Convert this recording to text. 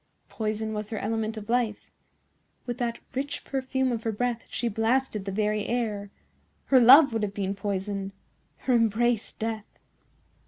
Poison was her element of life. With that rich perfume of her breath she blasted the very air. Her love would have been poison—her embrace death.